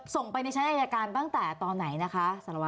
ส่งไปในชั้นอาจารยาการตอนไหนนะคะ